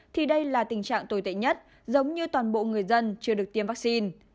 thì đây là tình trạng tồi tệ nhất giống như toàn bộ người dân chưa được tiêm vaccine